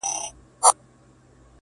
• ډلي ډلي مي له لاري دي ايستلي -